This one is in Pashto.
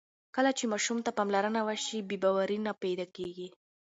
کله چې ماشوم ته پاملرنه وشي، بې باوري نه پیدا کېږي.